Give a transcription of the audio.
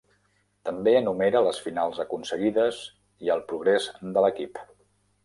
També enumera les finals aconseguides i el progrés de l'equip.